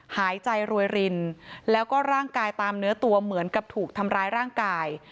หายใจรวยรินแล้วก็ร่างกายตามเนื้อตัวเหมือนกับถูกทำร้ายร่างกาย